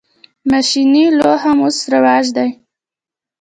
ماشیني لو هم اوس رواج دی.